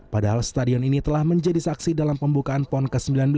padahal stadion ini telah menjadi saksi dalam pembukaan pon ke sembilan belas